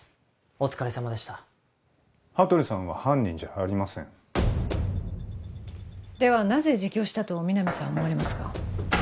お疲れさまでした羽鳥さんは犯人じゃありませんではなぜ自供したと皆実さんは思われますか？